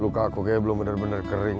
luka aku kayaknya belum bener bener kering